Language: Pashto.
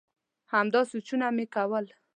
همدا سوچونه مي کول ؟